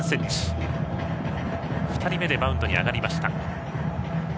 ２人目でマウンドに上がりました。